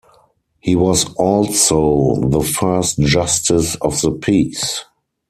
He was also the first justice of the peace.